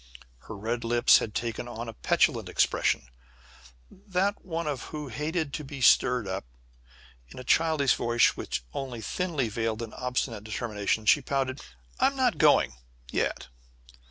Her red lips had taken on a petulant expression that of one who hated to be "stirred up." In a childish voice which only thinly veiled an obstinate determination she pouted: "I'm not going yet."